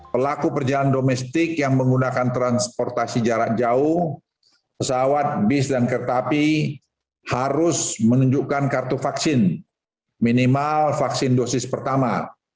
pelaku perjalanan domestik yang menggunakan transportasi jarak jauh pesawat bis dan kereta api harus menunjukkan kartu vaksin minimal vaksin dosis pertama